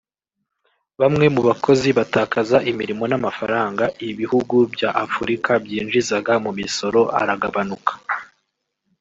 bamwe mu bakozi batakaza imirimo n’amafaranga ibihugu bya Afurika byinjizaga mu misoro aragabanuka